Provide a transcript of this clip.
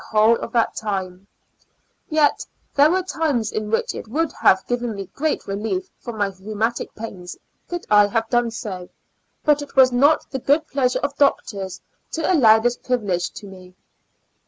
7 whole of that time ; yet, there were times in which it would have given me great rehef from my rheumatic "pains, could I have done so, but it was not the good pleasure of the doctors to allow this privilege to me.